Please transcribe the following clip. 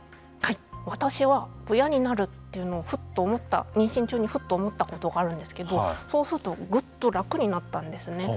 私は親になるというのをふっと思った妊娠中にふっと思ったことがあるんですけどそうするとぐっと楽になったんですね。